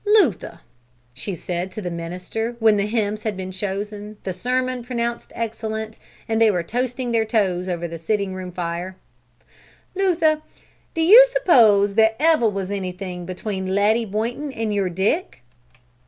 "Luther," she said to the minister, when the hymns had been chosen, the sermon pronounced excellent, and they were toasting their toes over the sitting room fire, "Luther, do you suppose there ever was anything between Letty Boynton and your Dick?"